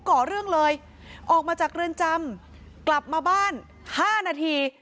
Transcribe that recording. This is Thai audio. ก่อเรื่องเลยออกมาจากเรือนจำกลับมาบ้าน๕นาที